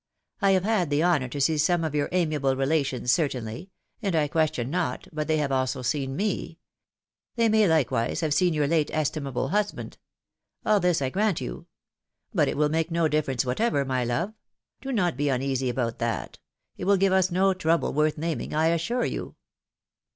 I have had the honour to see some of your amiable relations, certainly ; and I question not, but they have also seen me. They may likewise have seen your late estimable husband. All this I grant you ; but it will make no diflference whatever, my love. Do not be uneasy about that. It will give us no trouble worth naming, I assure you."